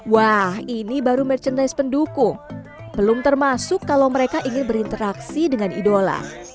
wah ini baru merchandise pendukung belum termasuk kalau mereka ingin berinteraksi dengan idola